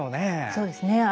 そうですね。